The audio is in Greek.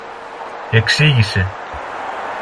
εξήγησε.